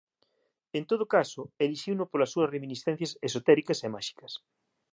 En todo caso, elixiuno polas súas reminiscencias esotéricas e máxicas.